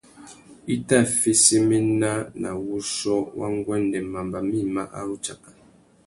I tà fesséména nà wuchiô wa nguêndê mamba mïma a ru tsaka.